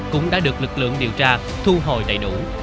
cũng đã được lực lượng điều tra thu hồi đầy đủ